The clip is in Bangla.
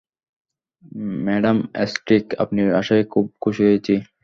ম্যাডাম এস্টেরিখ, আপনি আসায় খুব খুশি হয়েছি।